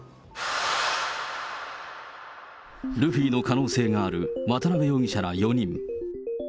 ルフィの関係性がある渡辺容疑者ら４人。